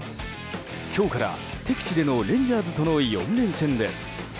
今日から敵地でのレンジャーズとの４連戦です。